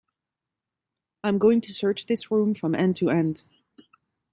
I'm going to search this room from end to end.